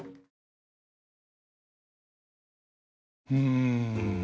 うん。